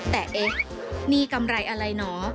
แต่เอ๊ะมีกำไรอะไรเหรอ